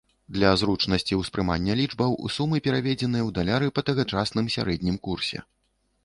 Для зручнасці ўспрымання лічбаў сумы пераведзеныя ў даляры па тагачасным сярэднім курсе.